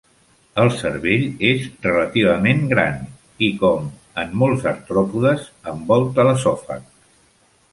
El cervell és relativament gran i, com en molts artròpodes, envolta l'esòfag.